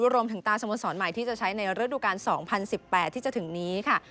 รวมถึงตาสโมสรใหม่ที่จะใช้ในฤดูกาล๒๐๑๘ที่จะถึงนี้ค่ะ